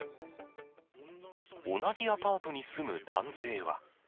同じアパートに住む男性は。